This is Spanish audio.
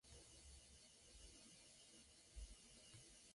Obtuvo su doctorado en la Universidad de Utrecht.